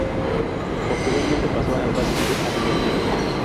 Posteriormente pasó al Racing de Avellaneda.